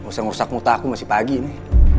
nggak usah ngurusak muta aku masih pagi nih